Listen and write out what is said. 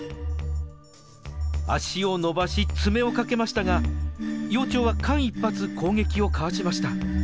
足を伸ばし爪をかけましたが幼鳥は間一髪攻撃をかわしました。